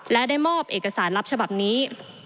และได้มอบเอกสารลับฉบับนี้